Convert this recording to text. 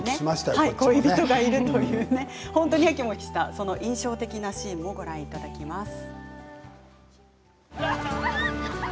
恋人がいるという本当にやきもきした印象的なシーンをご覧いただきます。